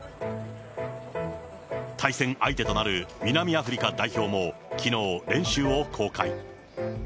対戦相手となる南アフリカ代表も、きのう、練習を公開。